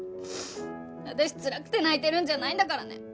私つらくて泣いてるんじゃないんだからね。